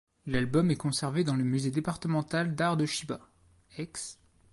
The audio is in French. L'album est conservé dans le Musée départemental d'art de Chiba, ex.